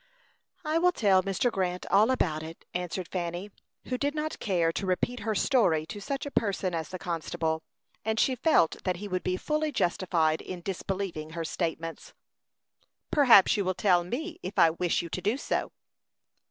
"I will tell Mr. Grant all about it," answered Fanny, who did not care to repeat her story to such a person as the constable; and she felt that he would be fully justified in disbelieving her statements. "Perhaps you will tell me, if I wish you to do so."